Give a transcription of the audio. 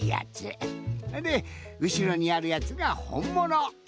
でうしろにあるやつがほんもの！